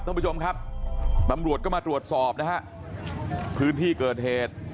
ท่านผู้ชมครับตำรวจก็มาตรวจสอบนะฮะพื้นที่เกิดเหตุ